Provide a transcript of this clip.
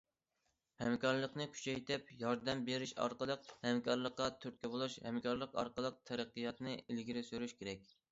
ھەمكارلىقنى كۈچەيتىپ، ياردەم بېرىش ئارقىلىق ھەمكارلىققا تۈرتكە بولۇش، ھەمكارلىق ئارقىلىق تەرەققىياتنى ئىلگىرى سۈرۈش كېرەك.